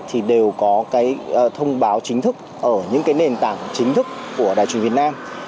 thì đều có thông báo chính thức ở những nền tảng chính thức của đài truyền việt nam